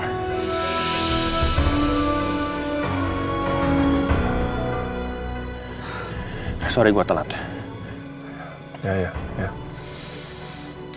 disini gue cuma ketemu tas andi doang